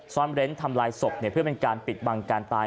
เร้นทำลายศพเพื่อเป็นการปิดบังการตาย